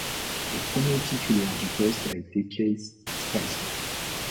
Le premier titulaire du poste a été Keith Spicer.